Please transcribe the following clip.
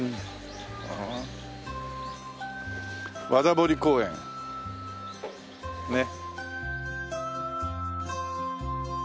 和田堀公園ねっ。